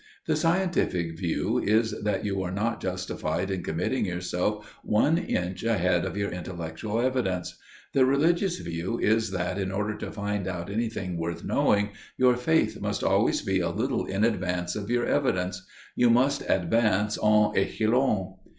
The scientific view is that you are not justified in committing yourself one inch ahead of your intellectual evidence: the religious view is that in order to find out anything worth knowing your faith must always be a little in advance of your evidence; you must advance en échelon.